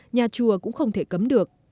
nhà chùa cũng không thể cấm được